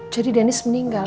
jadi denis meninggal